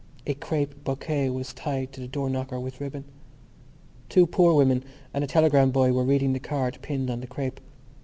A crape bouquet was tied to the door knocker with ribbon. Two poor women and a telegram boy were reading the card pinned on the crape.